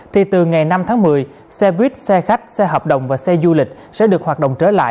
thì từ ngày năm tháng một mươi xe buýt xe khách xe hợp đồng và xe du lịch sẽ được hoạt động trở lại